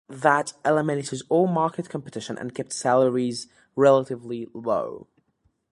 That eliminated all market competition and kept salaries relatively low.